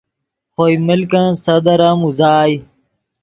خوئے ملکن صدر ام اوزائے